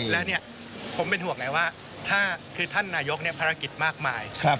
และผมเป็นห่วงไงว่าคือท่านนายกภารกิจมากมาย